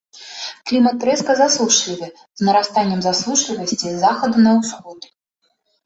Клімат рэзка засушлівы з нарастаннем засушлівасці з захаду на ўсход.